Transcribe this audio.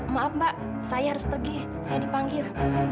maaf mbak saya harus pergi saya dipanggil